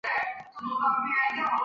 嗣后各省官电归邮传部。